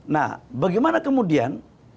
nah bagaimana kemudian